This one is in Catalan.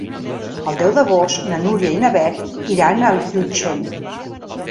El deu d'agost na Núria i na Beth iran a Llutxent.